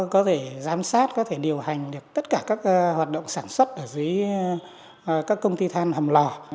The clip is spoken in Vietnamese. có thể giám sát có thể điều hành được tất cả các hoạt động sản xuất ở dưới các công ty than hầm lò